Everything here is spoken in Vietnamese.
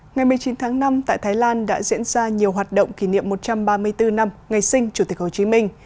ngày một mươi chín tháng năm tại thái lan đã diễn ra nhiều hoạt động kỷ niệm một trăm ba mươi bốn năm ngày sinh chủ tịch hồ chí minh